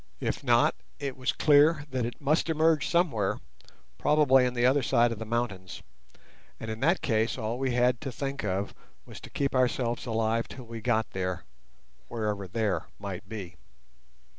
If not, it was clear that it must emerge somewhere, probably on the other side of the mountains, and in that case all we had to think of was to keep ourselves alive till we got there, wherever "there" might be.